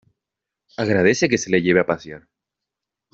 Agradece que se le lleve a pasear.